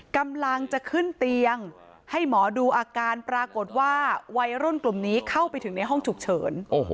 กำลังจะขึ้นเตียงให้หมอดูอาการปรากฏว่าวัยรุ่นกลุ่มนี้เข้าไปถึงในห้องฉุกเฉิน